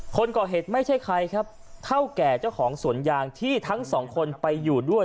คนก่อเหตุไม่ใช่ใครครับเท่าแก่เจ้าของสวนยางที่ทั้งสองคนไปอยู่ด้วย